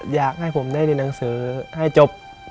อยากให้ผมได้เรียนหนังสือให้จบ